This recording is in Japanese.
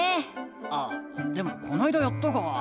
あでもこないだやったか。